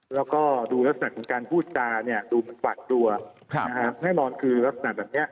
แล้วก็ดูลักษณะของการพูดจาเนี่ยดูหวาดกลัวแน่นอนคือลักษณะแบบนี้